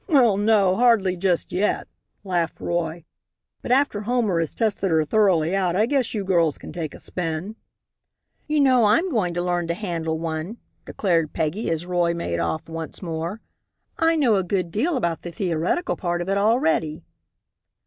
"Well, no, hardly just yet," laughed Roy, "but after Homer has tested her thoroughly out I guess you girls can take a spin." "You know I'm going to learn to handle one," declared Peggy, as Roy made off once more. "I know a good deal about the theoretical part of it already."